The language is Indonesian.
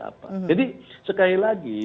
apa jadi sekali lagi